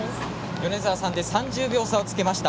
米澤さんで３０秒差をつけました。